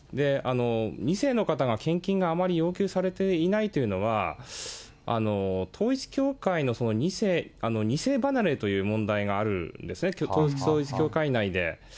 ２世の方が献金があまり要求されていないというのは、統一教会の２世離れという問題があるんですね、統一教会内で。